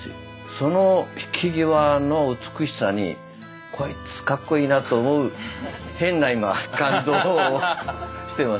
その引き際の美しさにこいつかっこいいなと思う変な今感動をしてます。